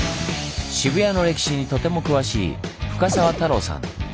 渋谷の歴史にとても詳しい深澤太郎さん。